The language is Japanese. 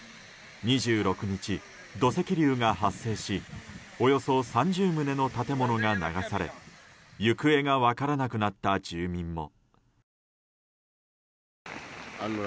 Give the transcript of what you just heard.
２６日、土石流が発生しおよそ３０棟の建物が流され行方が分からなくなった住民も。